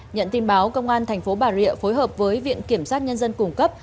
nhận tin báo công an thành phố bà rịa phối hợp với viện kiểm soát nhân dân cùng cấp